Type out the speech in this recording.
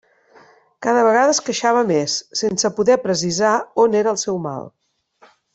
Cada vegada es queixava més, sense poder precisar on era el seu mal.